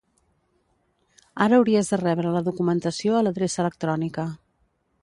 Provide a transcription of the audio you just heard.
Ara hauries de rebre la documentació a l'adreça electrònica.